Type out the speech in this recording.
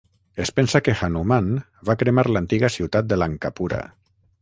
Es pensa que Hanuman va cremar l'antiga ciutat de Lankapura.